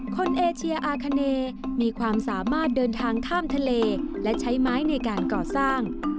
เอเชียอาคาเนมีความสามารถเดินทางข้ามทะเลและใช้ไม้ในการก่อสร้าง